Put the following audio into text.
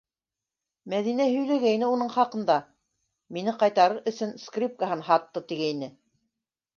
Мәҙинә һөйләгәйне уның хаҡында, мине ҡайтарыр өсөн скрипкаһын һатты, тигәйне.